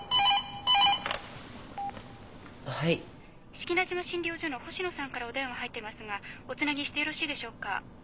☎志木那島診療所の星野さんからお電話入ってますがおつなぎしてよろしいでしょうか？